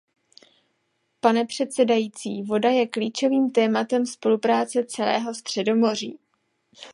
Pane předsedající, voda je klíčovým tématem spolupráce celého Středomoří.